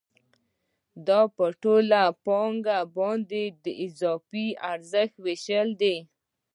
دا په ټوله پانګه باندې د اضافي ارزښت وېش دی